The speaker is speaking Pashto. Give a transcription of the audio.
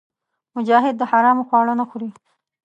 مجاهد د حرامو خواړه نه خوري.